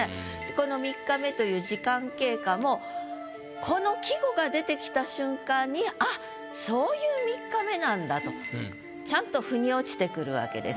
この三日目という時間経過もこの季語が出てきた瞬間にあっそういう三日目なんだとちゃんと腑に落ちてくるわけです。